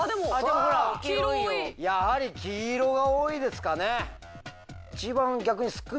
やはり黄色が多いですかね。